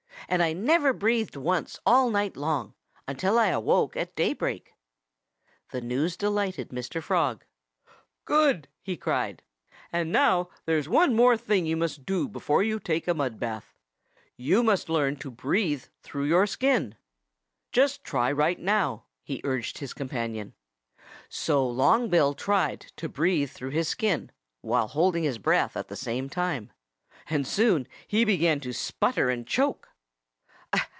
And I never breathed once all night long, until I awoke at day break." The news delighted Mr. Frog. "Good!" he cried. "And now there's one more thing you must do before you take a mud bath. You must learn to breathe through your skin. ... Just try right now," he urged his companion. So Long Bill tried to breathe through his skin, while holding his breath at the same time. And soon he began to sputter and choke.